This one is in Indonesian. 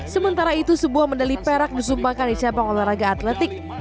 sementara itu sebuah medali perak disumbangkan di cabang olahraga atletik